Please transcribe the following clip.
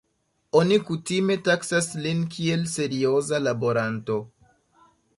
Oni kutime taksas lin kiel serioza laboranto.